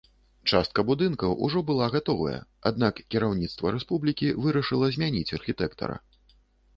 Частка будынкаў ужо была гатовая, аднак кіраўніцтва рэспублікі вырашыла замяніць архітэктара.